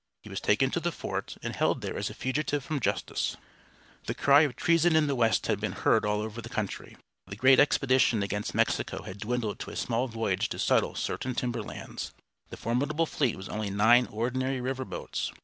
He was taken to the fort, and held there as a fugitive from justice. The cry of "Treason in the West" had been heard all over the country. The great expedition against Mexico had dwindled to a small voyage to settle certain timber lands. The formidable fleet was only nine ordinary river boats.